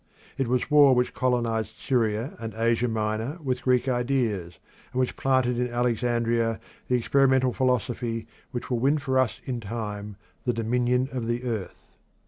It was war which colonised Syria and Asia Minor with Greek ideas, and which planted in Alexandria the experimental philosophy which will win for us in time the dominion of the earth.